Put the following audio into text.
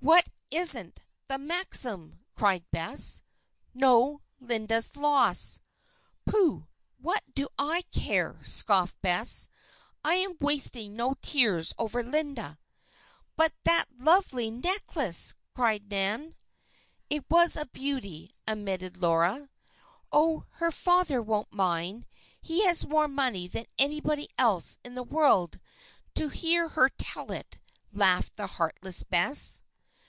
"What isn't; the maxim?" cried Bess. "No. Linda's loss." "Pooh! What do I care?" scoffed Bess. "I'm wasting no tears over Linda." "But that lovely necklace!" cried Nan. "It was a beauty," admitted Laura. "Oh! her father won't mind. He has more money than anybody else in the world to hear her tell it," laughed the heartless Bess.